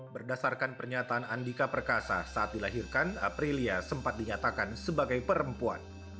berdasarkan pernyataan andika perkasa saat dilahirkan aprilia sempat dinyatakan sebagai perempuan